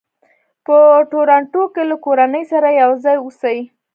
په ټورنټو کې له کورنۍ سره یو ځای اوسي.